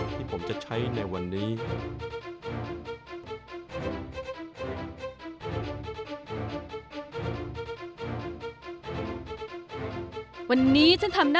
ที่ผมจะใช้ในวันนี้